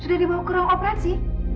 sudah dibawa ke ruang operasi